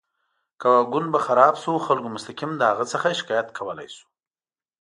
که واګون به خراب شو، خلکو مستقیم له هغه څخه شکایت کولی شو.